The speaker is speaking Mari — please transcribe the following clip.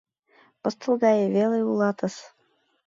Пыстыл гае веле улатыс!